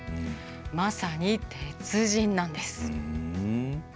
まさに鉄人なんです。